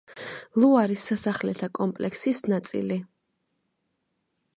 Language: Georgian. ლუარის სასახლეთა კომპლექსის ნაწილი.